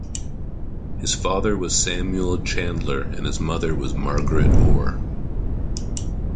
His father was Samuel Chandler and his mother was Margaret Orr.